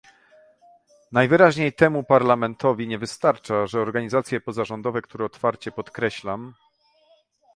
Najwyraźniej temu Parlamentowi nie wystarcza, że organizacje pozarządowe, które otwarcie - podkreślam